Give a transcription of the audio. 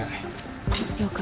了解。